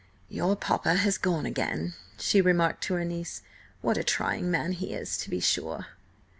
"Your papa has gone again," she remarked to her niece. "What a trying man he is, to be sure!"